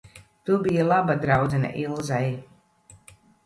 Tu biji laba draudzene Ilzei.